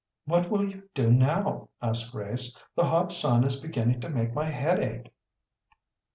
"What will you do now?" asked Grace. "The hot sun is beginning to make my head ache."